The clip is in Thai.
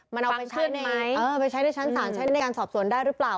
มันเอาไปใช้ในชั้นสารใช้ในการสอบสวนได้หรือเปล่า